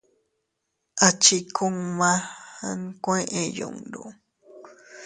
A chi kuma nkuee yundu.